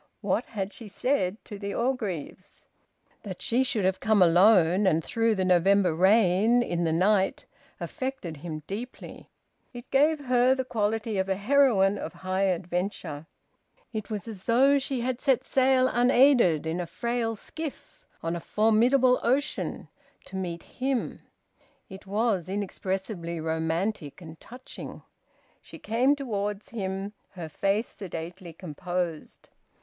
What had she said to the Orgreaves? That she should have come alone, and through the November rain, in the night, affected him deeply. It gave her the quality of a heroine of high adventure. It was as though she had set sail unaided, in a frail skiff, on a formidable ocean, to meet him. It was inexpressibly romantic and touching. She came towards him, her face sedately composed.